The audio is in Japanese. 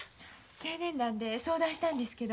青年団で相談したんですけど。